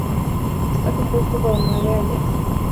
Está compuesto por nueve aldeas.